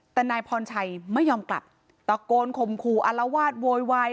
แต่นายพรชัยไม่ยอมกลับตะโกนข่มขู่อารวาสโวยวาย